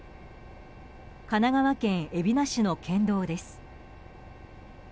神奈川県海老名市の県道です。